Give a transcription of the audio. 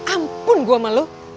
ampun gua malu